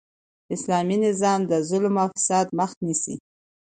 اسلامي نظام د ظلم او فساد مخ نیسي.